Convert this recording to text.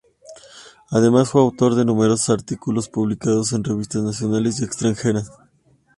Además fue autor de numerosos artículos publicados en revistas nacionales y extranjeras.